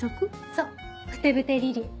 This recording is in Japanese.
そう「ふてぶてリリイ」。